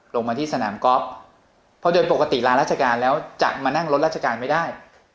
ลงมาที่สนามกอล์ฟเพราะโดยปกติลาราชการแล้วจะมานั่งรถราชการไม่ได้